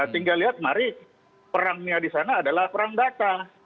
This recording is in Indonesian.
tinggal lihat mari perangnya di sana adalah perang datang